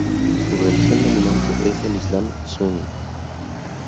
Su religión dominante es el Islam sunní.